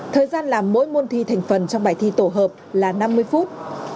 thời gian làm mỗi môn thi thành phần trong bài thi tổ hợp là năm mươi phút